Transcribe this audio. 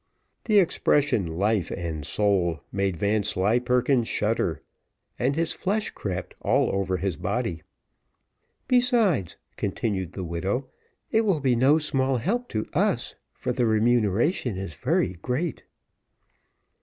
The expression "life and soul," made Vanslyperken shudder, and his flesh crept all over his body. "Besides," continued the widow, "it will be no small help to us, for the remuneration is very great."